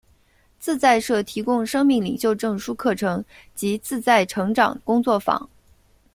自在社提供生命领袖证书课程及自在成长工作坊。